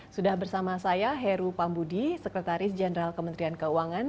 sudah bersama saya heru pambudi sekretaris jenderal kementerian keuangan